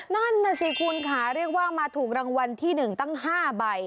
นั่นน่ะสิคุณค่ะเรียกว่ามาถูกรางวัลที่๑ตั้ง๕ใบ